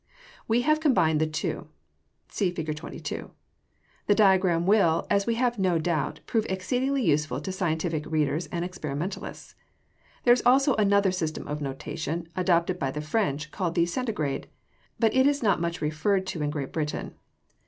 ] We have combined the two (see Fig. 22.) The diagram will, we have no doubt, prove exceedingly useful to scientific readers and experimentalists. There is also another system of notation, adopted by the French, called the centigrade, but it is not much referred to in Great Britain.